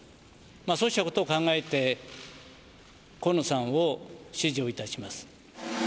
そうしたことを考えて、河野さんを支持をいたします。